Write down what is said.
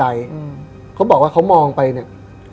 เขาบอกว่าเขามองไปเนี่ย